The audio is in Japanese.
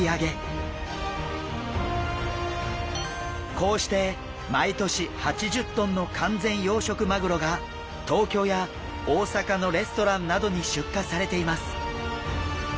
こうして毎年８０ｔの完全養殖マグロが東京や大阪のレストランなどに出荷されています。